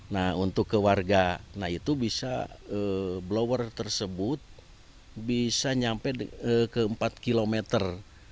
nah untuk ke warga nah itu bisa blower tersebut bisa nyampe ke empat kilometer